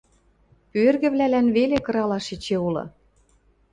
Пӱэргӹвлӓлӓн веле кыралаш эче улы.